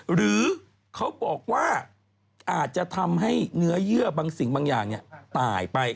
หรือเขาบอกว่าอาจจะทำให้เนื้อเยื่อบางสิ่งบางอย่างตายไป